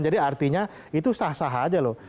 artinya itu sah sah aja loh